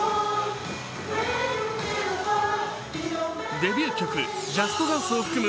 デビュー曲、「ＪＵＳＴＤＡＮＣＥ！」を含む